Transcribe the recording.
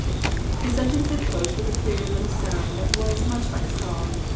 The sentence had closed with a queer little sound that was much like a sob.